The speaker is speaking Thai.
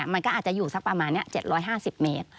มันก็อาจจะอยู่สักประมาณ๗๕๐เมตร